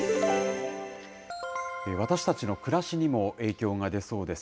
私たちの暮らしにも影響が出そうです。